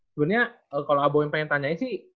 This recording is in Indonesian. sebenarnya kalau abo yang pengen tanyain sih